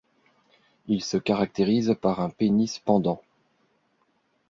Ils se caractérisent par un pénis pendant.